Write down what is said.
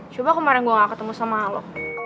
coba kemarin gue gak ketemu sama lo